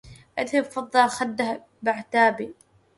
أذهبت فضة خده بعتابي